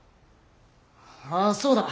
ああそうだ。